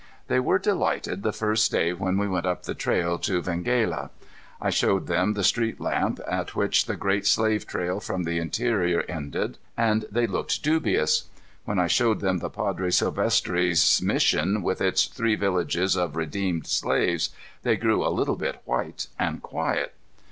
They were delighted the first day when we went up the trail to Venghela. I showed them the street lamp at which the great slave trail from the interior ended, and they looked dubious. When I showed them the Padre Silvestre's mission, with its three villages of redeemed slaves, they grew a little bit white and quiet.